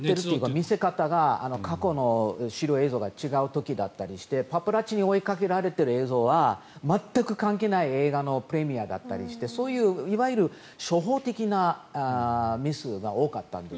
見せ方が過去の資料映像が違う時だったりしてパパラッチに追いかけられている映像は全く関係ない映画のプレミアだったりしていわゆる初歩的なミスが多かったんです。